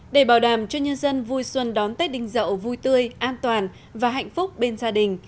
để bảo đảm cho nhân dân vui xuân đón tết đinh dậu vui tươi an toàn và hạnh phúc bên gia đình